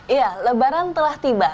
iya lebaran telah tiba